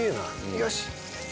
よし。